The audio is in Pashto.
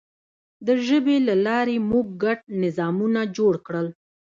د ژبې له لارې موږ ګډ نظامونه جوړ کړل.